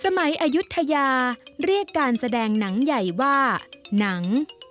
สมัยอายุทยาเรียกการแสดงหนังใหญ่ว่าหนัง